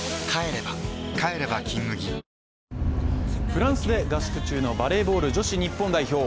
フランスで合宿中のバレーボール女子日本代表